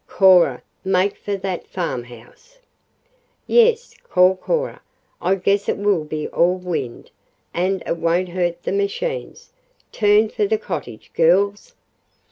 Cora, make for that farmhouse!" "Yes," called Cora, "I guess it will be all wind, and it won't hurt the machines. Turn for the cottage, girls!"